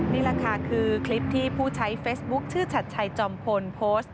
นี่แหละค่ะคือคลิปที่ผู้ใช้เฟซบุ๊คชื่อชัดชัยจอมพลโพสต์